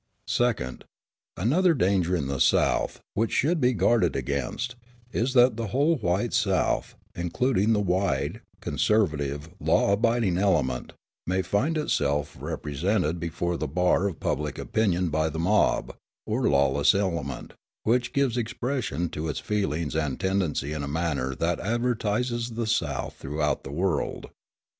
Second. Another danger in the South, which should be guarded against, is that the whole white South, including the wide, conservative, law abiding element, may find itself represented before the bar of public opinion by the mob, or lawless element, which gives expression to its feelings and tendency in a manner that advertises the South throughout the world.